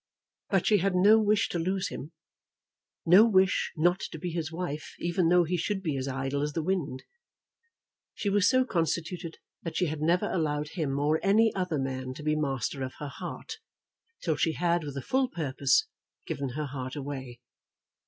But she had no wish to lose him; no wish not to be his wife even, though he should be as idle as the wind. She was so constituted that she had never allowed him or any other man to be master of her heart, till she had with a full purpose given her heart away.